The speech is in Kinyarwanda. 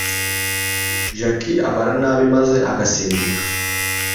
Jackie abara nabi maze agasimbuka